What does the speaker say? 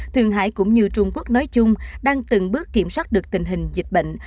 thường hải cũng như trung quốc nói chung đang từng bước kiểm soát được tình hình dịch bệnh